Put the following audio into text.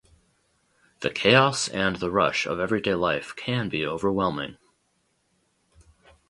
The chaos and the rush of everyday life can be overwhelming.